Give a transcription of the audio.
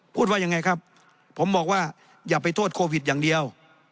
พูดว่ายังไงครับผมบอกว่าอย่าไปโทษโควิดอย่างเดียว